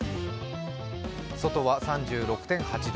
外は３６．８度。